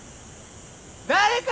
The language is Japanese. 誰か！